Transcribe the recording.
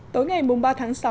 tối ngày ba tháng sáu